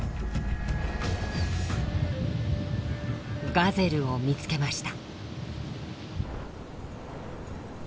ガゼルを見つけました。